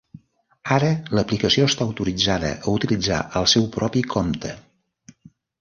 Ara l'aplicació està autoritzada a utilitzar el seu propi compte!